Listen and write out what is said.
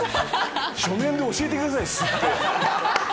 書面で教えてください素って。